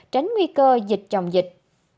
tránh nguy cơ dịch chồng dịch